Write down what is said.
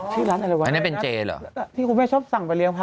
ชื่อร้านอะไรวะที่คุณไม่ชอบสั่งไปเลี้ยงพระ